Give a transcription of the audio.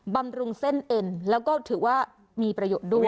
บำรุงเส้นเอ็นแล้วก็ถือว่ามีประโยชน์ด้วย